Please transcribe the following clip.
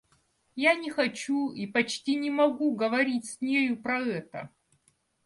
Я не хочу и почти не могу говорить с нею про это.